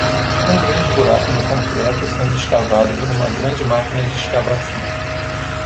Um grande buraco no concreto sendo escavado por uma grande máquina de escavação.